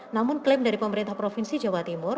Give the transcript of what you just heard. namun klaim dari pemerintah provinsi jawa timur